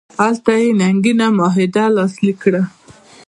هلته یې ننګینه معاهده لاسلیک کړه.